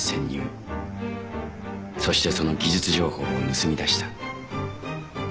そしてその技術情報を盗み出した。